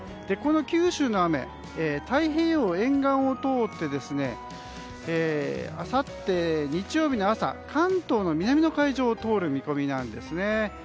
九州の雨、太平洋沿岸を通ってあさって日曜日の朝関東の南の海上を通る見込みです。